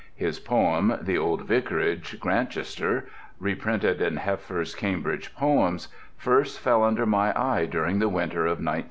His poem The Old Vicarage, Grantchester, reprinted in Heffer's Cambridge Poems, first fell under my eye during the winter of 1913 14.